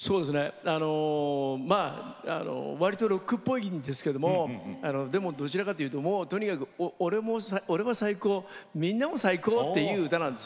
わりとロックっぽいんですけどどちらかというと俺は最高みんなも最高という歌なんです。